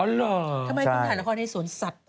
เหรอทำไมคุณถ่ายละครในสวนสัตว์